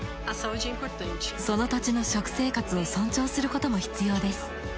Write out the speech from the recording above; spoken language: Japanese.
その土地の食生活を尊重することも必要です。